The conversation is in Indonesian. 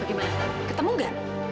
bagaimana ketemu gak